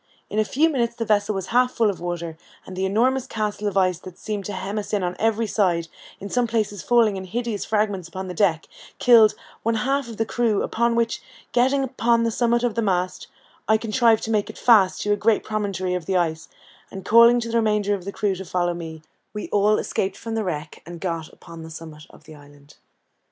In a few minutes the vessel was half full of water, and the enormous castle of ice that seemed to hem us in on every side, in some places falling in hideous fragments upon the deck, killed one half of the crew; upon which, getting upon the summit of the mast, I contrived to make it fast to a great promontory of the ice, and calling to the remainder of the crew to follow me, we all escaped from the wreck, and got upon the summit of the island.